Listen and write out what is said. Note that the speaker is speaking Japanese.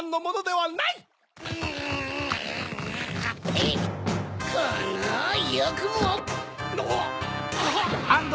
はっ！